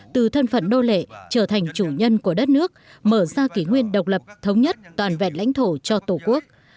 từ thân phận đô lệ trở thành chủ nhân của đất nước mở ra kỷ nguyên độc lập thống nhất toàn vẹn lãnh thổ cho tổ quốc